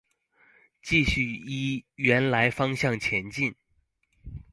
繼續依原來方向前進